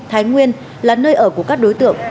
thái nguyên là nơi ở của các đối tượng